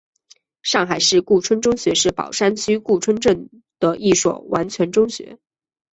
上海市顾村中学是宝山区顾村镇的一所完全中学。